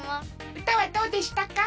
うたはどうでしたか？